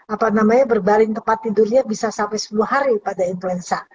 apa namanya berbaring tempat tidurnya bisa sampai sepuluh hari pada influenza